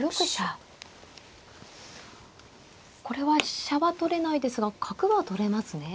これは飛車は取れないですが角は取れますね。